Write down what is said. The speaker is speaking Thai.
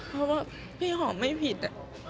เพราะว่าพี่หอมไม่ผิด